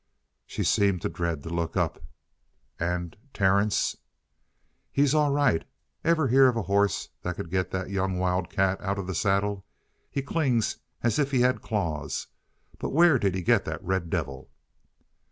She seemed to dread to look up. "And Terence?" "He's all right. Ever hear of a horse that could get that young wildcat out of the saddle? He clings as if he had claws. But where did he get that red devil?"